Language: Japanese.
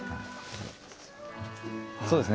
そうですね